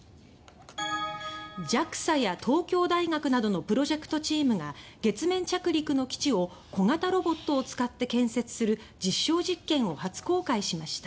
ＪＡＸＡや東京大学などのプロジェクトチームが月面着陸の基地を小型ロボットを使って建設する実証実験を初公開しました。